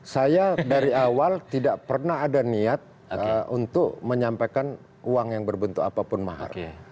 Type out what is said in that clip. saya dari awal tidak pernah ada niat untuk menyampaikan uang yang berbentuk apapun mahar